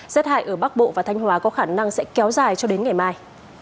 rết hại ở bắc bộ và thanh hóa có khả năng sẽ kéo dài cho đến ngày mai